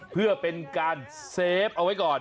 เพื่อเป็นการเซฟเอาไว้ก่อน